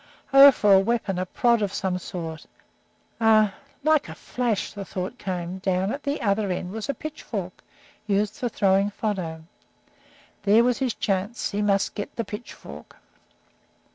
Oh, for a weapon, a prod of some sort, a like a flash the thought came; down at the other end was the pitchfork used for throwing fodder. There was his chance; he must get that pitchfork.